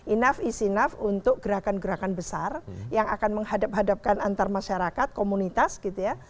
enough enough untuk gerakan gerakan besar yang akan menghadap hadapkan antar masyarakat komunitas gitu ya